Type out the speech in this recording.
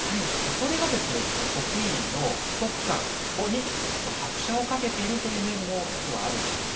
それがですね職員の不足感に拍車をかけているという面も実はあるんです。